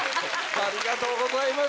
ありがとうございます。